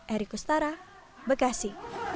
eri kustara bekasi